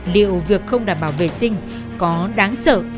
liệu việc không đảm bảo vệ sinh có đáng sợ